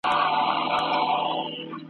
شرنګاشرنګ د پایزېبونو هر ګودر یې غزلخوان دی ,